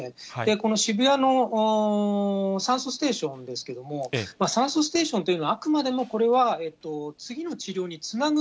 この渋谷の酸素ステーションですけれども、酸素ステーションというのは、あくまでもこれは、次の治療につなげる。